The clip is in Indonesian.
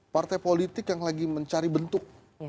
partai politik yang lagi mencari bentuk